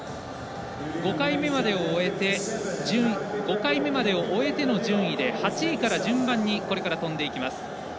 ５回目までを終えての順位で８位から順番にこれから跳んでいきます。